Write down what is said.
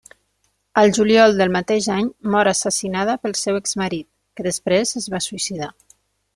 Al juliol del mateix any mor assassinada pel seu exmarit, que després es va suïcidar.